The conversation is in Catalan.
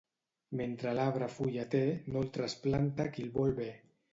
Mentre l'arbre fulla té, no el trasplanta qui el vol bé.